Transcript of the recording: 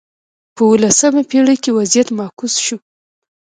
په اولسمه پېړۍ کې وضعیت معکوس شو.